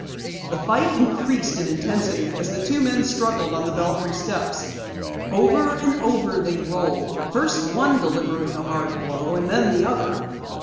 The fight increased in intensity as the two men struggled on the belfry steps. Over and over they rolled, first one delivering a hard blow, and then the other.